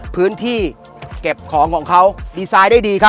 พื้นที่เก็บของของเขาดีไซน์ได้ดีครับ